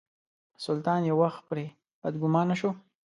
سلطان یو وخت پرې بدګومانه شو.